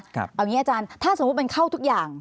เอาอย่างนี้อาจารย์ถ้าสมมุติมันเข้าทุกอย่าง